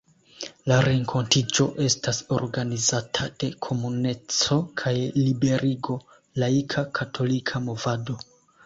La renkontiĝo estas organizata de Komuneco kaj Liberigo, laika, katolika movado.